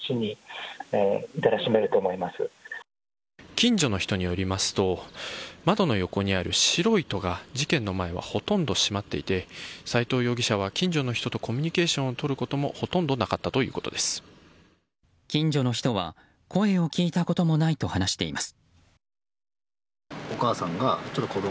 近所の人によりますと窓の横にある白い戸が事件の前はほとんど閉まっていて斉藤容疑者は近所の人とコミュニケーションをとることも近所の人は声を聞いたこともないと話しています。